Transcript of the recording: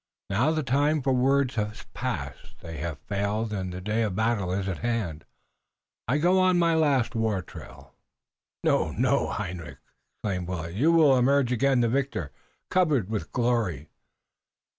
Now the time for words has passed. They have failed and the day of battle is at hand. I go on my last war trail." "No! No, Hendrik!" exclaimed Willet. "You will emerge again the victor, covered with glory."